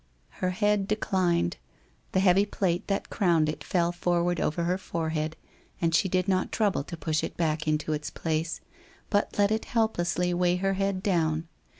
...' Her head declined, the heavy plait that crowned it fell forward over her forehead, and she did not trouble to push it back into its place, but let it helplessly weigh her head down.